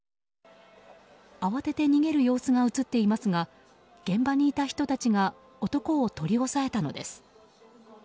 慌てて逃げる様子が映っていますが現場にいた人たちが男を取り押さえたのです。